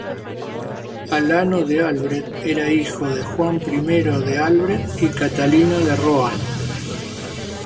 Alano de Albret era hijo de Juan I de Albret y Catalina de Rohan.